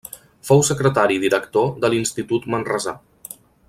Fou secretari i director de l'institut manresà.